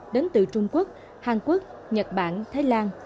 đến từ trung quốc hàn quốc nhật bản thái lan